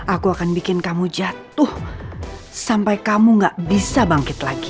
aku akan bikin kamu jatuh sampai kamu gak bisa bangkit lagi